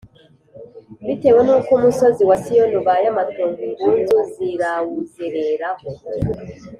Bitewe n’uko umusozi wa Siyoni ubaye amatongo, Ingunzu zirawuzereraho.